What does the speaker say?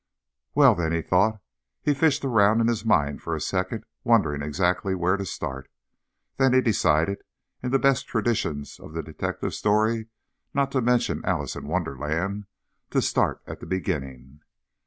Well, then, he thought. He fished around in his mind for a second, wondering exactly where to start. Then he decided, in the best traditions of the detective story, not to mention Alice in Wonderland, to start at the beginning.